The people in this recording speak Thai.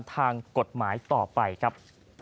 ต่อไปครับ